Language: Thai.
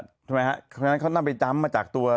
ใช่ไหมฮะทั้งนั้นเขาน่าไปจั๊มมาจากตัว